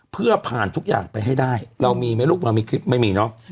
เพื่อผ่านทุกอย่างไปให้ได้เรามีไหมลูกเรามีคลิปไม่มีเนอะ